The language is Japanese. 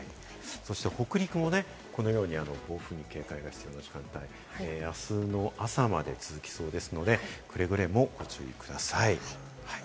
北陸もね、このように暴風に警戒が必要な時間帯、あすの朝まで続きそうですのでくれぐれもご注意ください。